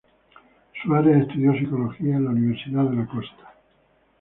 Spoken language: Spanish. Suárez estudió psicología en la Universidad de la Costa.